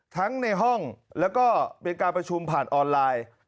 ทั้งในห้องแล้วก็เป็นการประชุมผ่านออนไลน์